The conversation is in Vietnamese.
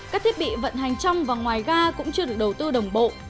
các thiết bị vận hành trong và ngoài ga cũng chưa được đầu tư đồng bộ